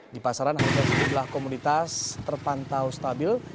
di pasaran harga sejumlah komoditas terpantau stabil